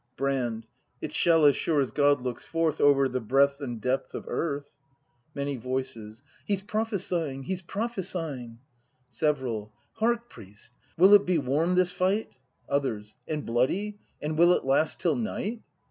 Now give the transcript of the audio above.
Brand. It shall, as sure as God looks forth Over the breadth and depth of Earth! Many Voices. He's prophesying! He's prophesying! ACT V] BRAND 269 Several. Hark, priest, will it be warm, this fight ? Others. And bloody ? And will it last till night